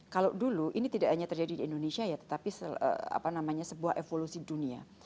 kalau dulu ini tidak hanya terjadi di indonesia ya tetapi sebuah evolusi dunia